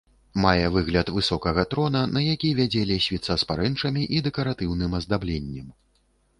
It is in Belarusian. Мае выгляд высокага трона, на які вядзе лесвіца з парэнчамі і дэкаратыўным аздабленнем.